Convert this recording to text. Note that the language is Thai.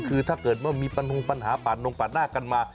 คือถ้าเกิดว่ามีปัญหาปาดนงปาดหน้ากันมา